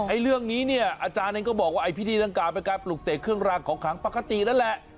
เรื่องนี้เนี่ยอาจารย์เองก็บอกว่าไอ้พิธีดังกล่าวเป็นการปลูกเสกเครื่องรางของขังปกตินั่นแหละ